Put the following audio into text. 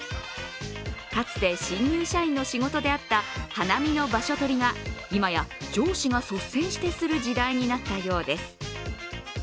かつて、新入社員の仕事であった花見の場所取りが今や上司が率先してする時代になったようです。